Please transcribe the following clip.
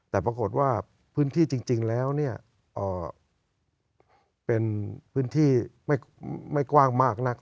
แต่ปรากฏว่าพื้นที่จริงแล้วเป็นพื้นที่ไม่กว้างมากนัก